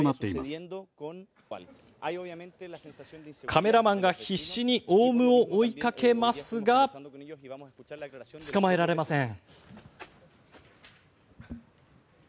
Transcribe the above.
カメラマンが必死にオウムを追いかけますが捕まえられません。